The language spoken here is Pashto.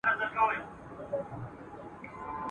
ما به وینې ما به اورې زه به ستا مینه تنها یم !.